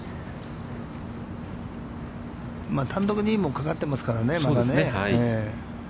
単独２位もかかっていますからね、まだね。